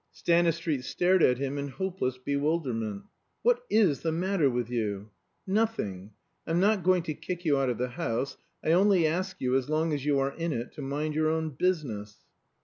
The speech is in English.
Stanistreet stared at him in hopeless bewilderment. "What is the matter with you?" "Nothing. I'm not going to kick you out of the house. I only ask you, so long as you are in it, to mind your own business."